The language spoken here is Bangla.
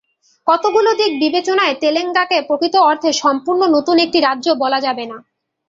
কতগুলো দিক বিবেচনায় তেলেঙ্গানাকে প্রকৃত অর্থে সম্পূর্ণ নতুন একটি রাজ্য বলা যাবে না।